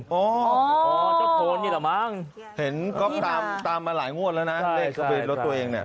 อ๋อเจ้าโทนนี่แหละมั้งเห็นก๊อฟตามมาหลายงวดแล้วนะเลขทะเบียนรถตัวเองเนี่ย